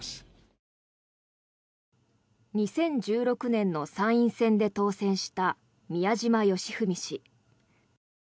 ２０１６年の参院選で当選した宮島喜文氏。